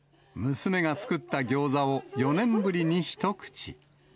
娘が作ったギョーザを４年ぶりに一口。